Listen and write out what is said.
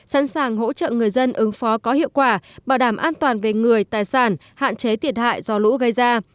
sẵn sàng hỗ trợ người dân ứng phó có hiệu quả bảo đảm an toàn về người tài sản hạn chế thiệt hại do lũ gây ra